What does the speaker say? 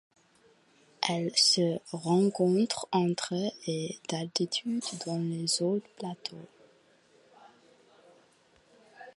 Elle se rencontre entre et d'altitude dans les hauts-plateaux.